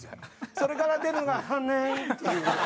それから出るのが「年」っていう。